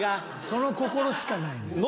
その心しかないねん。